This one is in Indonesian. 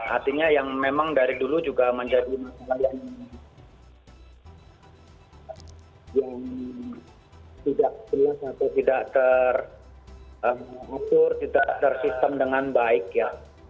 artinya yang memang dari dulu juga menjadi masalah yang tidak jelas atau tidak teratur tidak tersistem dengan baik ya